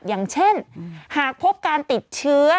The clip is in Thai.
อย่างเช่นหากพบการติดเชื้อ